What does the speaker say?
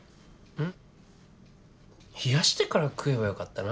うん。